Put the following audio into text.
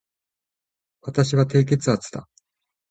私は低血圧だ